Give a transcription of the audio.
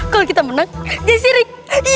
kalau kita menang di sirik